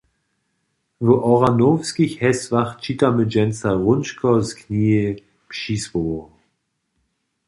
W Ochranowskich hesłach čitamy dźensa hrónčko z knihi Přisłowow.